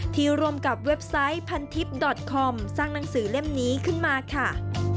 ร่วมกับเว็บไซต์พันทิพย์ดอตคอมสร้างหนังสือเล่มนี้ขึ้นมาค่ะ